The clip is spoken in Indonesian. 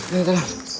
nih telurnya ya